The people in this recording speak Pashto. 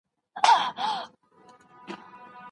موږ له ډاره ماڼۍ ړنګه کړې ده.